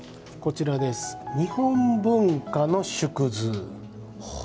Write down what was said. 「日本文化の縮図」。